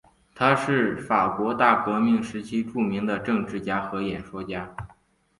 他是法国大革命时期著名的政治家和演说家。